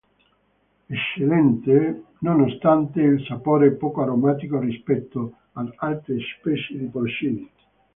Eccellente, nonostante il sapore poco aromatico rispetto ad altre specie di porcini.